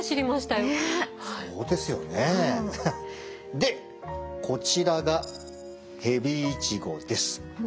でこちらがヘビイチゴです。